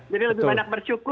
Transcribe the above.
jadi lebih banyak bersyukur